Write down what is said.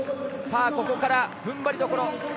ここから踏ん張りどころ。